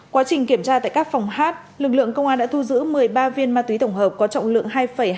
quá trình kiểm tra tại các phòng hát lực lượng công an đã thu giữ một mươi ba viên ma túy tổng hợp có trọng lượng